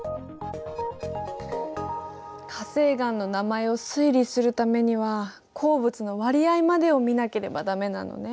火成岩の名前を推理するためには鉱物の割合までを見なければダメなのね。